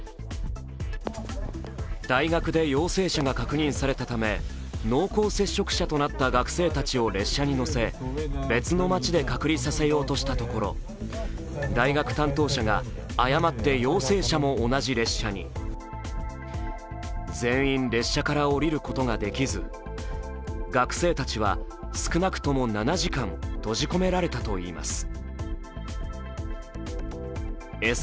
大学で陽性者が確認されたため濃厚接触者となった学生たちを列車に乗せ別の街で隔離させようとしたところ、担当者が誤って陽性者も同じ列車に全員列車から降りることができず学生たちは少なくとも７時間閉じ込められたといいます。